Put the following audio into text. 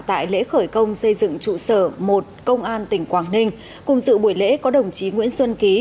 tại lễ khởi công xây dựng trụ sở một công an tỉnh quảng ninh cùng dự buổi lễ có đồng chí nguyễn xuân ký